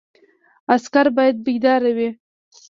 عسکر باید بیدار وي